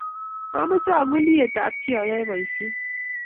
mamche agul iyeto ab chiii ayae boishet